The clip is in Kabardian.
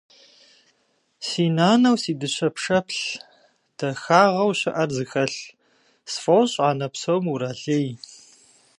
Си нанэу си дыщэ пшэплъ, дахагъэу щыӏэр зыхэлъ, сфӏощӏ анэ псом уралей.